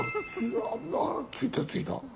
ついた、ついた。